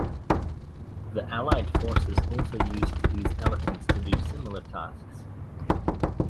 The Allied forces also used these elephants to do similar tasks.